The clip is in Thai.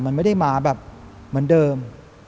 มันไม่ได้มาแบบเหมือนเดิม